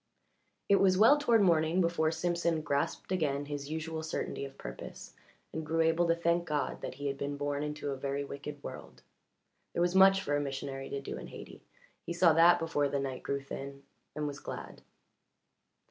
It was well toward morning before Simpson grasped again his usual certainty of purpose and grew able to thank God that he had been born into a very wicked world. There was much for a missionary to do in Hayti he saw that before the night grew thin, and was glad.